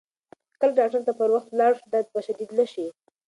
کله چې ډاکتر ته پر وخت ولاړ شو، درد به شدید نه شي.